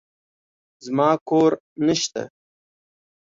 زما کور نشته.